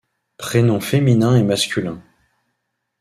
Prénom féminin et masculin.